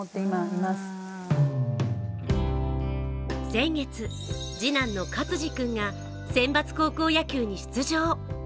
先月、次男の勝児君が選抜高校野球に出場。